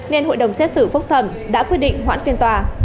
nên hội đồng xét xử phúc thẩm đã quyết định hoãn phiên tòa